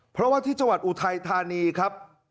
เพราะว่าที่จังหวัดอุทัยธานีครับ